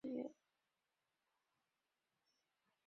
乾隆壬子闰四月二十八日生。